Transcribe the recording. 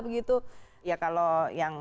begitu ya kalau yang